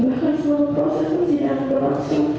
setelah seluruh proses persidangan berlangsung